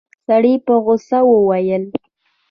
سړي په غوسه وويل.